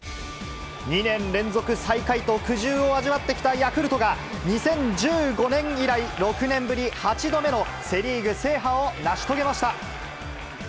２年連続最下位と苦渋を味わってきたヤクルトが、２０１５年以来６年ぶり８度目のセ・リーグ制覇を成し遂げました。